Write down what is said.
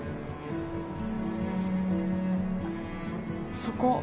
そこ。